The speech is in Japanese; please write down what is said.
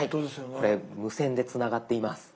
これ無線でつながっています。